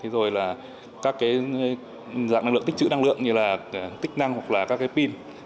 rồi là các dạng năng lượng tích trữ năng lượng như là tích năng hoặc là các pin